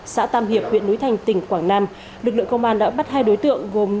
xã tam hiệp huyện núi thành tỉnh quảng nam lực lượng công an đã bắt hai đối tượng gồm